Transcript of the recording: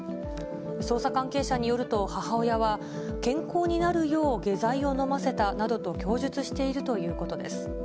捜査関係者によると、母親は、健康になるよう下剤を飲ませたなどと供述しているということです。